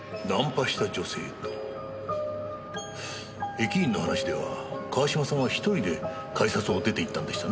駅員の話では川島さんは１人で改札を出ていったんでしたねえ。